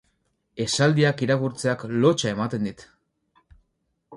Esaldiak irakurtzeak lotsa ematen dit.